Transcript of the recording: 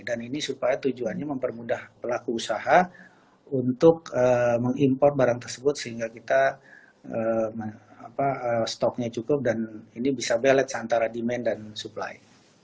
dan ini supaya tujuannya mempermudah pelaku usaha untuk mengimport barang tersebut sehingga kita stoknya cukup dan ini bisa belet antara demand dan supply